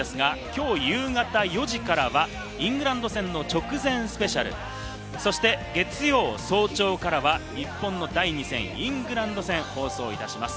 きょう夕方４時からは、イングランド戦の直前スペシャル、そして月曜早朝からは日本の第２戦、イングランド戦を放送いたします。